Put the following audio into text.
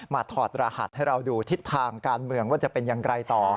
ถอดรหัสให้เราดูทิศทางการเมืองว่าจะเป็นอย่างไรต่อ